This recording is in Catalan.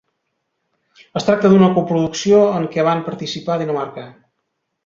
Es tracta d'una coproducció en què van participar Dinamarca.